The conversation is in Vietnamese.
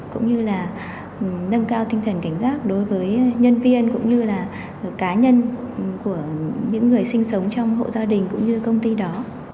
cũng như là nâng cao tinh thần cảnh giác đối với nhân viên cũng như là cá nhân của những người sinh sống trong hộ gia đình cũng như công ty đó